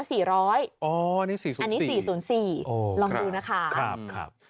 อ๋ออันนี้๔๐๔อันนี้๔๐๔ลองดูนะคะครับครับ